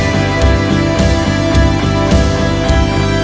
โห้ขอบคุณมากค่ะ